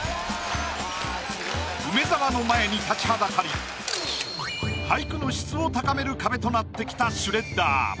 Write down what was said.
梅沢の前に立ちはだかり俳句の質を高める壁となってきたシュレッダー。